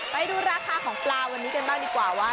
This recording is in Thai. ไปดูราคาของปลาวันนี้กันบ้างดีกว่าว่า